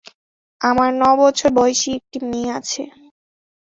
আমার ন বছর বয়েসী একটি মেয়ে আছে।